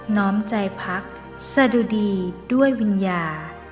น้อมใจพลักษณ์สดุดีด้วยวิญญา